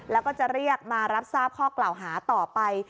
แล้วก็จะเรียกมารับทราบข้อกล่าวหาต่อไป